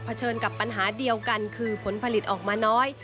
เชิญกับปัญหาเดียวกันคือผลผลิตออกมาน้อย